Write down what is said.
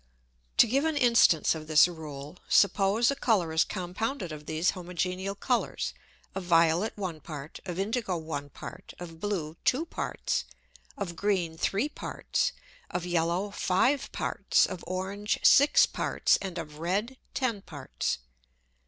To give an instance of this Rule; suppose a Colour is compounded of these homogeneal Colours, of violet one part, of indigo one part, of blue two parts, of green three parts, of yellow five parts, of orange six parts, and of red ten parts.